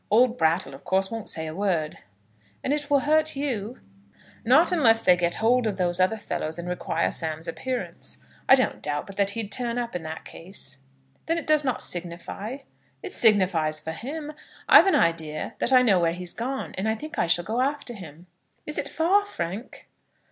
Old Brattle, of course, won't say a word." "And will it hurt you?" "Not unless they get hold of those other fellows and require Sam's appearance. I don't doubt but that he'd turn up in that case." "Then it does not signify?" "It signifies for him. I've an idea that I know where he's gone, and I think I shall go after him." "Is it far, Frank?"